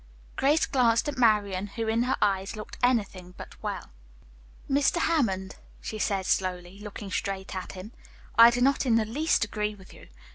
Grace glanced at Marian, who in her eyes looked anything but well. "Mr. Hammond," she said slowly, looking straight at him. "I do not in the least agree with you.